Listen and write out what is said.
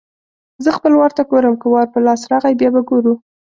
زه خپل وار ته ګورم؛ که وار په لاس راغی - بیا به ګورو.